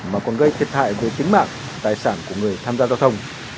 mà còn gây thiệt hại với chính mạng tài sản của người tham gia giao thông